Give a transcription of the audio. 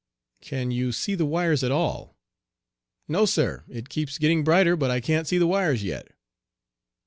"Can you see the wires at all?" "No, Sir; it keeps getting brighter, but I can't see the wires yet."